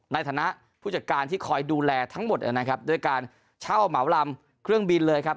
ในฐานะผู้จัดการที่คอยดูแลทั้งหมดนะครับด้วยการเช่าเหมาลำเครื่องบินเลยครับ